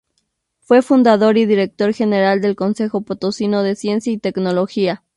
Fue fundador y director general del Consejo Potosino de Ciencia y Tecnología.